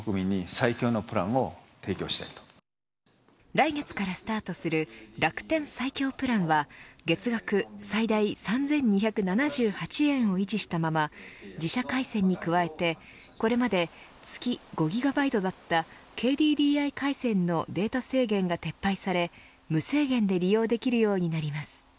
来月からスタートするＲａｋｕｔｅｎ最強プランは月額最大３２７８円を維持したまま自社回線に加えてこれまで月５ギガバイトだったＫＤＤＩ回線のデータ制限が撤廃され無制限で利用できるようになります。